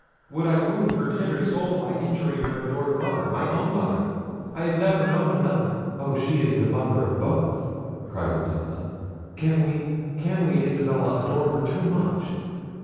would I wound her tender soul by injuring her adored mother? my own mother—I never have known another"— "Oh! she is the mother of both!" cried Matilda: "can we, can we, Isabella, adore her too much?"